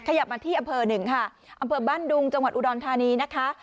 ขยับมาที่อำเภอหนึ่งค่ะอำเภอบ้านดุงจังหวัดอุดรธานีนะคะ